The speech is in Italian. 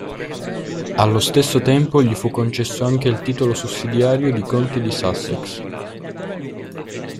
Allo stesso tempo, gli fu concesso anche il titolo sussidiario di conte di Sussex.